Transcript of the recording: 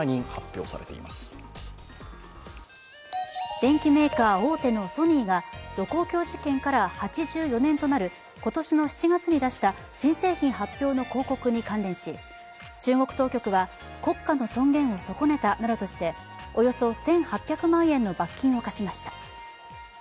電機メーカー大手のソニーが盧溝橋事件から８４年となる今年の７月に出した新製品発表の広告に関連し中国当局は国家の尊厳を損ねたなどとしておよそ１８００万円の罰金を科しました。